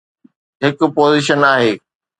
هڪ پوزيشن آهي.